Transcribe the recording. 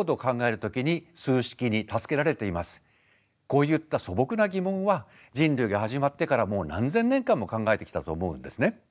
こういった素朴な疑問は人類が始まってからもう何千年間も考えてきたと思うんですね。